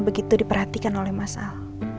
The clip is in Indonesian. begitu diperhatikan oleh mas al